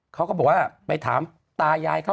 เขาก็บอกว่าไปถามตายายเขา